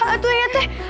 aduh ya teh